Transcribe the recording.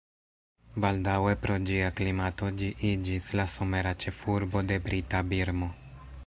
Baldaŭe pro ĝia klimato ĝi iĝis la somera ĉefurbo de brita Birmo.